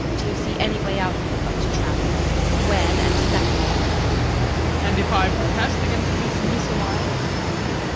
Do you see any way out of it but to travel? wed and separate? JEAN. And if I protest against this misalliance? JULIE.